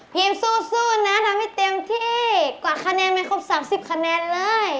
สู้นะทำให้เต็มที่กว่าคะแนนไปครบ๓๐คะแนนเลย